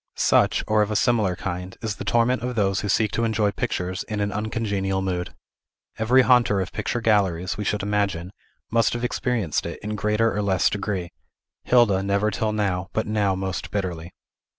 Such, or of a similar kind, is the torment of those who seek to enjoy pictures in an uncongenial mood. Every haunter of picture galleries, we should imagine, must have experienced it, in greater or less degree; Hilda never till now, but now most bitterly.